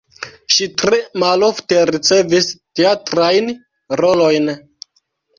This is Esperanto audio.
Ŝi tre malofte ricevis teatrajn rolojn.